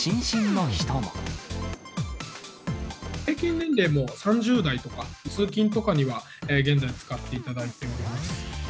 平均年齢も３０代とか、通勤とかには現在、使っていただいております。